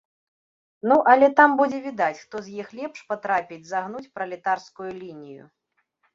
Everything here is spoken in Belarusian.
Ну, але там будзе відаць, хто з іх лепш патрапіць загнуць пралетарскую лінію!